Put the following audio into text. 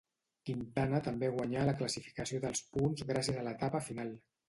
Quintana també guanyà la classificació dels punts gràcies a l'etapa final.